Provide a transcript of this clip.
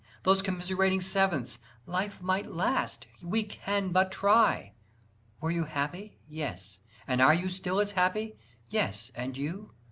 Those commiserating sevenths "Life might last! we can but try!" "Were you happy?" "Yes." "And are you still as happy?" "Yes. And you?"